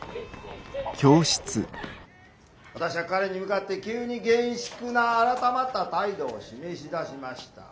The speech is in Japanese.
「私は彼に向かって急に厳粛な改まった態度を示し出しました。